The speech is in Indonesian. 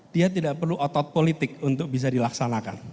dia tidak perlu otot politik untuk bisa dilaksanakan